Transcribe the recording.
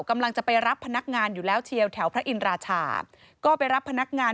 กำลังจะไปรับพนักงานอยู่แล้วเชียวแถวพระอินราชาก็ไปรับพนักงาน